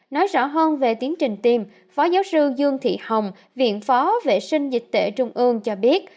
nói rõ hơn về tiến trình tiêm phó giáo sư dương thị hồng viện phó vệ sinh dịch tễ trung ương cho biết